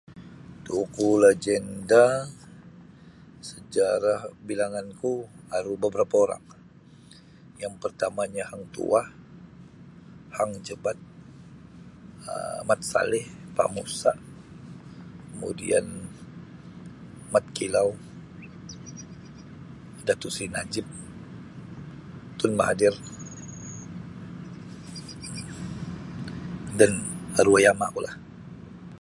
Tokoh lagenda sejarah kabilanganku aru babarapa' orang yang partama'nyo Hang Tuah, Hang Jebat, um Mat Salih, Pak Musa, kemudian Mat Kilau Datuk Sri Najib, Tun Mahadir dan arwah yama'kulah.